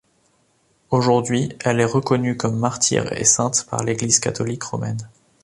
Aujourd'hui, elle est reconnue comme martyre et sainte par l'Église catholique romaine.